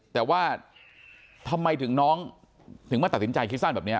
แต่ว่าทำไมถึงน้องถึงมาตัดสินใจคิดสั้นแบบนี้